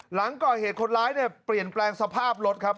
หลังก่อเหตุคนร้ายเนี่ยเปลี่ยนแปลงสภาพรถครับ